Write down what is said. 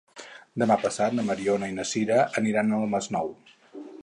Demà passat na Mariona i na Sira aniran al Masnou.